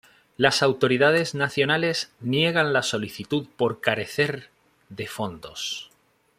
Las autoridades nacionales niegan la solicitud por carecer de fondos.